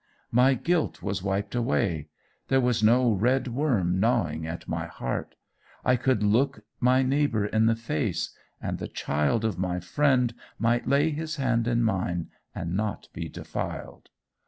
My guilt was wiped away; there was no red worm gnawing at my heart; I could look my neighbour in the face, and the child of my friend might lay his hand in mine and not be defiled!